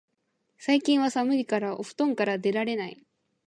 最近は寒いからお布団から出られない